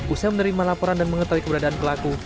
usai menerima laporan dan mengetahui keberadaan pelaku